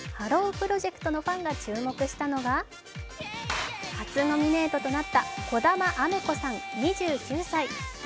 プロジェクトのファンが注目したのが、初ノミネートとなった児玉雨子さん２９歳。